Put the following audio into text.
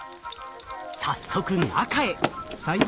早速中へ。